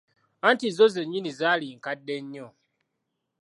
Anti zo zennyini zaali nkadde nnyo.